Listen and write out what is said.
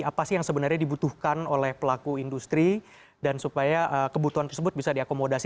apa sih yang sebenarnya dibutuhkan oleh pelaku industri dan supaya kebutuhan tersebut bisa diakomodasi